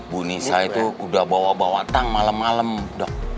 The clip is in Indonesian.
bu nisa itu udah bawa bawa tang malam malam dok